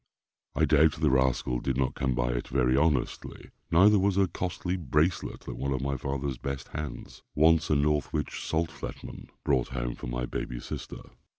I doubt the rascal did not come by it very honestly, neither was a costly bracelet that one of my father's best hands (once a Northwich salt flatman) brought home for my baby sister.